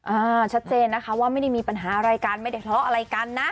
อ่าชัดเจนนะคะว่าไม่ได้มีปัญหาอะไรกันไม่ได้ทะเลาะอะไรกันนะ